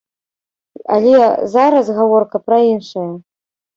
Але зараз гаворка пра іншае.